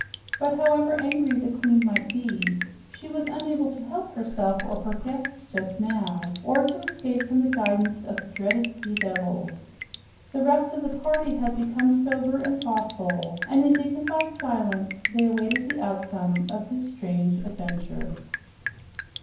But however angry the queen might be, she was unable to help herself or her guests just now or to escape from the guidance of the dreaded sea devils. The rest of the party had become sober and thoughtful, and in dignified silence they awaited the outcome of this strange adventure.